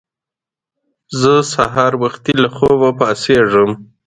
زه سهار وختي له خوبه پاڅېږم